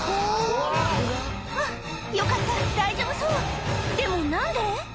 あぁよかった大丈夫そうでも何で？